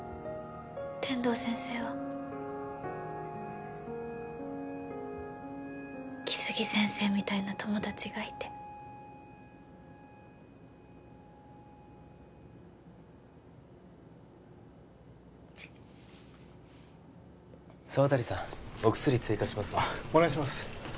天堂先生は来生先生みたいな友達がいて沢渡さんお薬追加しますねお願いします